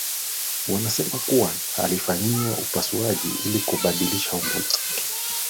wanasema kuwa alifanyiwa upasuaji ili kubadili umbo lake